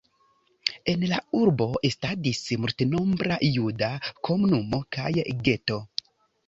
En la urbo estadis multnombra juda komunumo kaj geto.